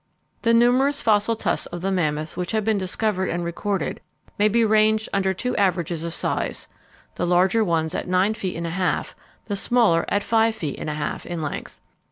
The numerous fossil tusks of the mammoth which have been discovered and recorded may be ranged under two averages of size, the larger ones at nine feet and a half, the smaller at five feet and a half in length.